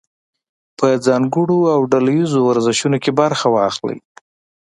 په ځانګړو او ډله ییزو ورزشونو کې برخه واخلئ.